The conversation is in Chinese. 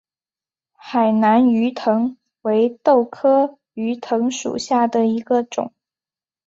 海南鱼藤为豆科鱼藤属下的一个种。